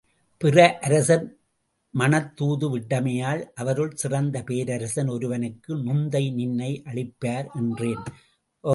பிற அரசர் மணத் துது விட்டமையால் அவருள் சிறந்த பேரரசன் ஒருவனுக்கு நுந்தை நின்னை அளிப்பார் என்றேன்.